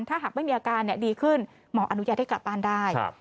ถ้าหากไม่มีอาการดีขึ้นหมออนุญาตให้กลับบ้านได้